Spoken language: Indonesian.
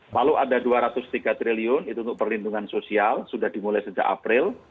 lalu ada dua ratus tiga triliun itu untuk perlindungan sosial sudah dimulai sejak april